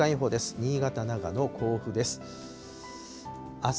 新潟、長野、甲府です。